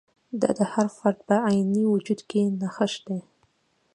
دا د هر فرد په عیني وجود کې نغښتی.